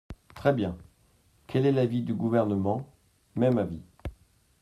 Très bien ! Quel est l’avis du Gouvernement ? Même avis.